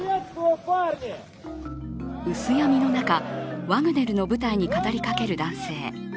薄闇の中、ワグネルの部隊に語りかける男性。